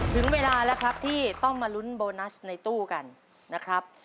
ถึงเวลาแล้วครับที่ต้องมาลุ้นโบนัสในตู้กันนะครับ